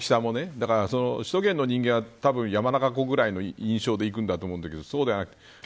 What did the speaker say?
だから、首都圏の人間はたぶん山中湖ぐらいの印象で行くんだと思うんだけどそうではない。